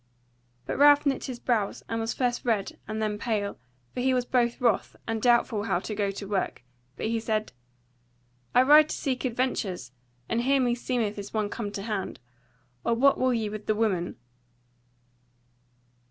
But Ralph knit his brows, and was first red and then pale; for he was both wroth, and doubtful how to go to work; but he said: "I ride to seek adventures; and here meseemeth is one come to hand. Or what will ye with the woman?"